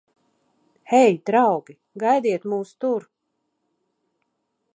Hei, draugi! Gaidiet mūs tur!